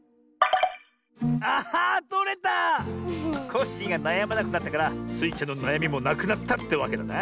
コッシーがなやまなくなったからスイちゃんのなやみもなくなったってわけだな。